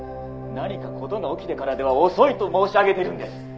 「何か事が起きてからでは遅いと申し上げてるんです！」